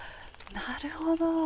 なるほど。